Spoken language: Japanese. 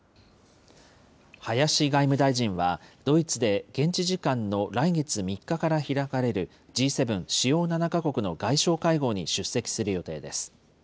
林外務大臣はドイツで現地時間の来月３日から開かれるＧ７・主要７か国の外相会合に出席する予定です。